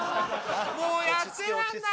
もうやってらんない。